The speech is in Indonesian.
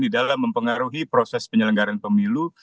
di dalam mempengaruhi proses penyelenggaran pemilu